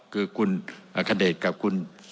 คือคุณอัคเดชกับคุณ